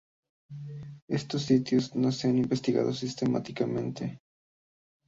Estos sitios no se han investigado sistemáticamente.